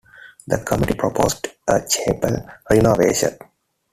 The committee proposed a chapel renovation.